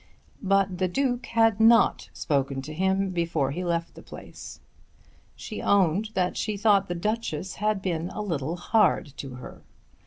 But the Duke had not spoken to him before he left the place. She owned that she thought the Duchess had been a little hard to her.